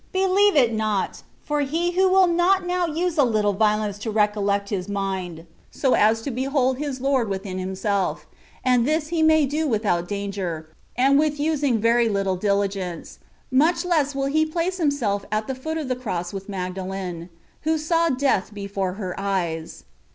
'' BeUeve it not; for he who will not now use a Uttle violence to recollect his mind, so as to behold His • Lord within himself (and this he may do without danger, and with using very Uttle diligence), much less will he place himself at the foot of the Cross with Magdalen, who saw death before her eyes.